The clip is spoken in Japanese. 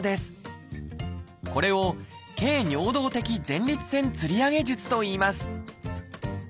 これを「経尿道的前立腺吊り上げ術」といいます